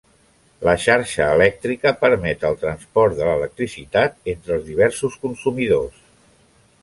La xarxa elèctrica permet el transport de l'electricitat entre els diversos consumidors.